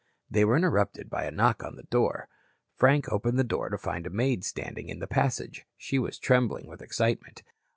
They were interrupted by a knock on the door. Frank opened the door to find a maid standing in the passage. She was trembling with excitement.